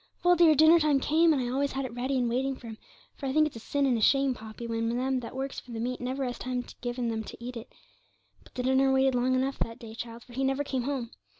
'Well, dear, dinner time came, and I always had it ready and waiting for him, for I think it's a sin and a shame, Poppy, when them that works for the meat never has time given them to eat it. But the dinner waited long enough that day, child, for he never came home.